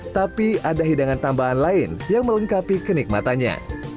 tapi ada hidangan tambahan lain yang melengkapi kenikmatannya